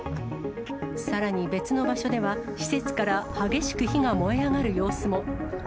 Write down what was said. さらに別の場所では、施設から激しく火が燃え上がる様子も。